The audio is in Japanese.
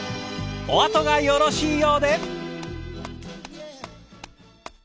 お後がよろしいようで！